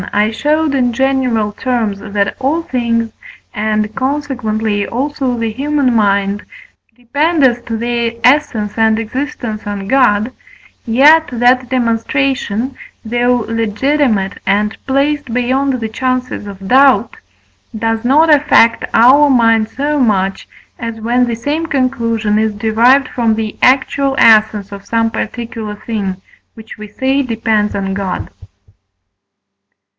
I showed in general terms, that all things (and consequently, also, the human mind) depend as to their essence and existence on God, yet that demonstration, though legitimate and placed beyond the chances of doubt, does not affect our mind so much, as when the same conclusion is derived from the actual essence of some particular thing, which we say depends on God.